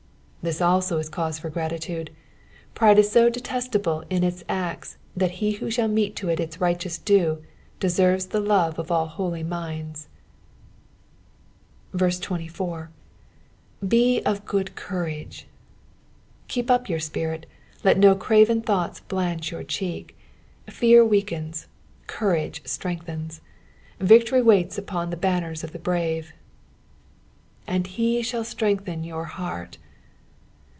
This also is cause for eratitude : pride ie so detestable in its acts that he who shall mete out to it its nghteous due, deserves the love of all holy minds. Va »e 24. — "Be of good courage." Keep up your spirit, let no craven thoughts blanch your cheek. Fear weakens, courage BtreoKthens. Victory waita upon the banners of the brave. "And he lAoU itrengutea your heart."